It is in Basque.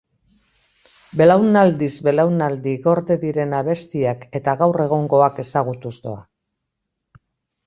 Belaunaldiz belaunaldi gorde diren abestiak eta gaur egungoak ezagutuz doa.